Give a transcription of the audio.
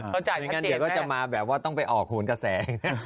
เข้าใจไม่งั้นเดี๋ยวก็จะมาแบบว่าต้องไปออกโหนกระแส